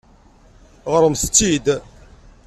Ɣṛemt-tt-id.